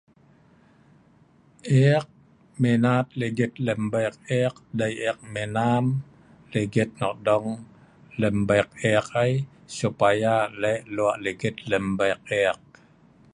Ek minat ligit lem bek ek dei' ek minam ligit nok dong lem bek ek ai, supaya ek leh' lo' ligit lem bek ek.